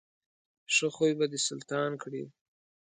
ښه خوی به دې سلطان کړي.